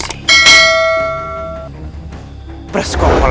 saya pernah pun